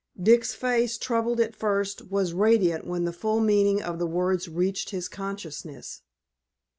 Dick's face, troubled at first, was radiant when the full meaning of the words reached his consciousness.